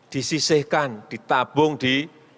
disisihkan ditabung di